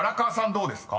どうですか？］